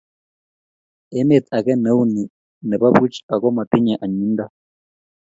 emet age ne uu nik ne bo buch aku matinye inyinyinto